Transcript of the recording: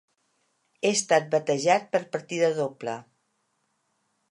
He estat batejat per partida doble.